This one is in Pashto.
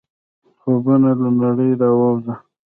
د خوبونو له نړۍ راووځه !